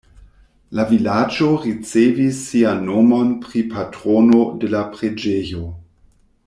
La vilaĝo ricevis sian nomon pri patrono de la preĝejo.